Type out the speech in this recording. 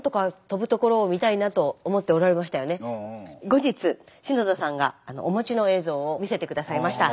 後日篠田さんがお持ちの映像を見せて下さいました。